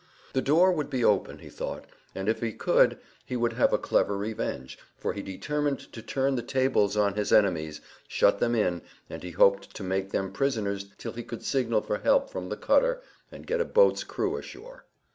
The door would be open, he thought; and, if he could, he would have a clever revenge, for he determined to turn the tables on his enemies, shut them in, and he hoped to make them prisoners till he could signal for help from the cutter, and get a boat's crew ashore.